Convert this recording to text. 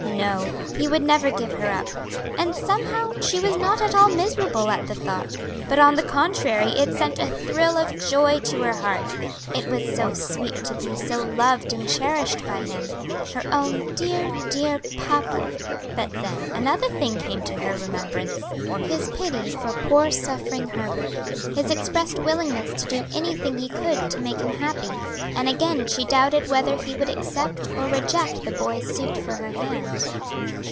No, he would never give her up; and somehow she was not at all miserable at the thought; but on the contrary it sent a thrill of joy to her heart; it was so sweet to be so loved and cherished by him, "her own dear, dear papa!" But then another thing came to her remembrance; his pity for poor suffering Herbert; his expressed willingness to do anything he could to make him happy and again she doubted whether he would accept or reject the boy's suit for her hand.